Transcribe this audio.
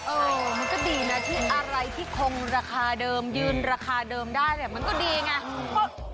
เออมันก็ดีนะที่อะไรที่คงราคาเดิมยืนราคาเดิมได้เนี่ยมันก็ดีไง